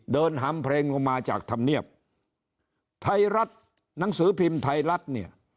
หำเพลงลงมาจากธรรมเนียบไทยรัฐหนังสือพิมพ์ไทยรัฐเนี่ย